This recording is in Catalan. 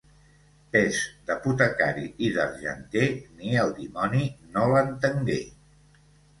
Pes d'apotecari i d'argenter, ni el dimoni no l'entengué.